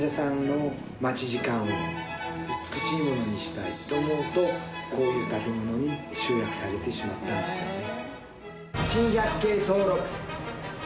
それと。と思うとこういう建物に集約されてしまったんですよね。